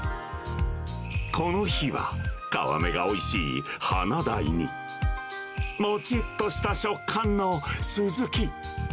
この日は、皮目がおいしいハナダイに、もちっとした食感のスズキ。